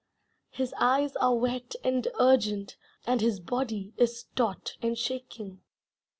His eyes are wet and urgent, And his body is taut and shaking.